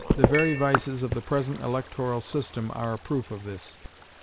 The very vices of the present electoral system are a proof of this.